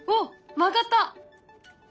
曲がった！